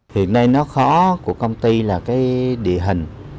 hiện nay nó khó của công ty là cái địa hình